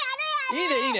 いいねいいね。